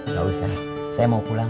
gak usah saya mau pulang